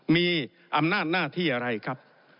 มีอำนาจหน้าที่อะไรครับ